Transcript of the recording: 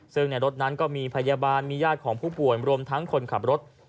ซึ่งในรถนั้นก็มีพยาบาลมีญาติของผู้ป่วยรวมทั้งคนขับรถ